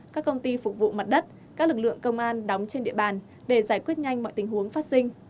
các công ty phục vụ mặt đất các lực lượng công an đóng trên địa bàn để giải quyết nhanh mọi tình huống phát sinh